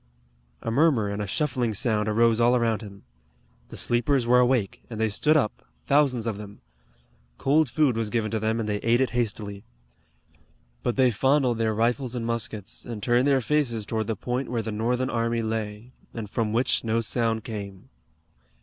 A murmur and a shuffling sound arose all around him. The sleepers were awake, and they stood up, thousands of them. Cold food was given to them, and they ate it hastily. But they fondled their rifles and muskets, and turned their faces toward the point where the Northern army lay, and from which no sound came.